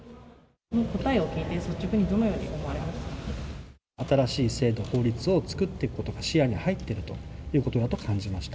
答えを聞いて、新しい制度、法律を作っていくことが視野に入っているということだと感じました。